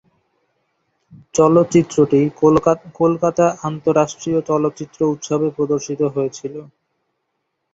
চলচ্চিত্রটি কলকাতা আন্তঃরাষ্ট্রীয় চলচ্চিত্র উৎসবে প্রদর্শিত হয়েছিল।